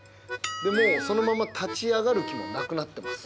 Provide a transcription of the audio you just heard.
そのまま立ち上がる気もなくなってます。